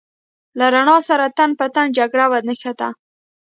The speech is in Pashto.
له رڼا سره تن په تن جګړه ونښته.